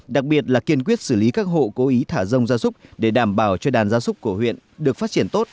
đặc biệt là kiên quyết xử lý các hộ cố ý thả rông gia súc để đảm bảo cho đàn gia súc của huyện được phát triển tốt